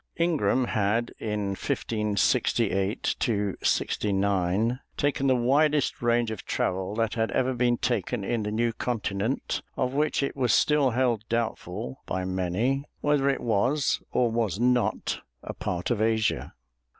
Ingram had in 1568 69 taken the widest range of travel that had ever been taken in the new continent, of which it was still held doubtful by many whether it was or was not a part of Asia.